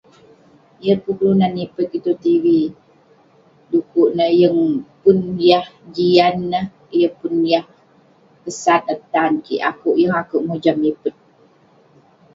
Yeng pun kelunan nipet kik tong tv,du'kuk neh yeng pun yah jian neh, yeng pun yah kesat neh tan kik ..akouk, yeng akouk mojam mipet..